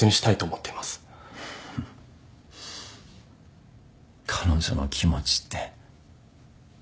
フフ彼女の気持ちって。